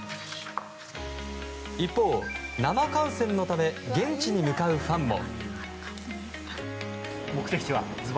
一方、生観戦のため現地に向かうファンも。